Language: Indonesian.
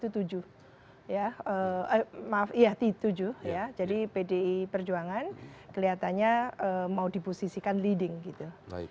tadinya yang namanya koalisi kekeluargaan itu tujuh ya maaf tujuh ya jadi pdi perjuangan kelihatannya mau diposisikan leading gitu